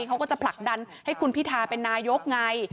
เขาก็จะผลักดันให้คุณพิทาเป็นนายกไง